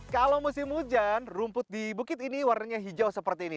kalau musim hujan rumput di bukit ini warnanya hijau seperti ini